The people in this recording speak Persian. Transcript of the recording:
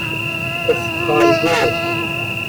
اسکارگو